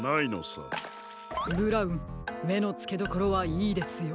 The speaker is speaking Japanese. ブラウンめのつけどころはいいですよ。